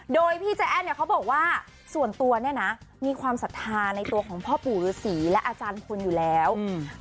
โดยพี่ใจแอ้นเนี่ยเขาบอกว่าส่วนตัวเนี่ยนะมีความศรัทธาในตัวของพ่อปู่ฤษีและอาจารย์คุณอยู่แล้วอืม